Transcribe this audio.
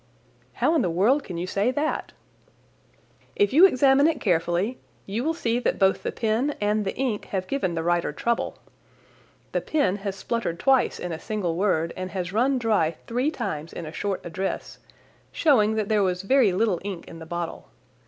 "How in the world can you say that?" "If you examine it carefully you will see that both the pen and the ink have given the writer trouble. The pen has spluttered twice in a single word and has run dry three times in a short address, showing that there was very little ink in the bottle.